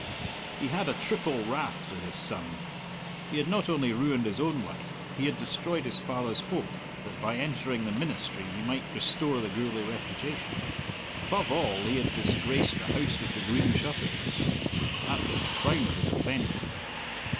He had a triple wrath to his son. He had not only ruined his own life; he had destroyed his father's hope that by entering the ministry he might restore the Gourlay reputation. Above all, he had disgraced the House with the Green Shutters. That was the crown of his offending.